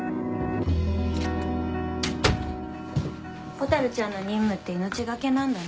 蛍ちゃんの任務って命懸けなんだね。